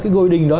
cái ngôi đình đó